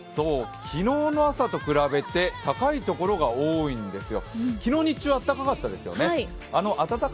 昨日の朝と比べて高いところが多いんですよ。